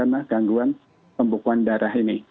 nah gangguan pembukaan darah ini